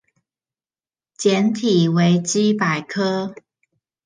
簡體維基百科